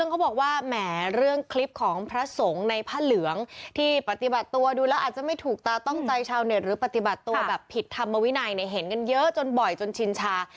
เขาบอกว่าแหมเรื่องคลิปของพระสงฆ์ในผ้าเหลืองที่ปฏิบัติตัวดูแล้วอาจจะไม่ถูกตาต้องใจชาวเน็ตหรือปฏิบัติตัวแบบผิดธรรมวินัยเนี่ยเห็นกันเยอะจนบ่อยจนชินชา